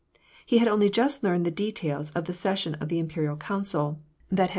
He had only just learned the details of the session of tho^Imperial Council, that had taken ftt.